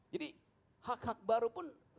jadi hak hak baru pun